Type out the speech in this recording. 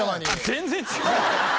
全然違う！